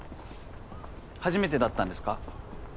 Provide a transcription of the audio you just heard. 初めてだったんですか？